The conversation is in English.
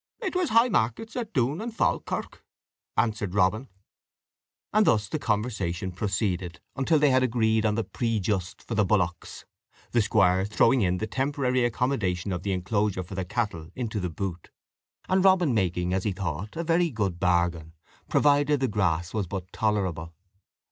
"It was high markets at Doune and Falkirk," answered Robin. And thus the conversation proceeded, until they had agreed on the prix juste for the bullocks, the squire throwing in the temporary accommodation of the inclosure for the cattle into the boot, and Robin making, as he thought, a very good bargain, provided the grass was but tolerable.